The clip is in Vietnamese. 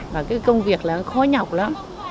và cái công việc là khó nhọc lắm